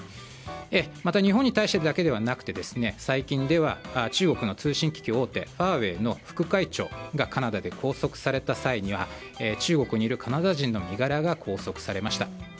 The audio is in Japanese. また日本に対してだけではなくて最近では中国の通信機器大手ファーウェイの副会長がカナダで拘束された際には中国にいるカナダ人の身柄が拘束されました。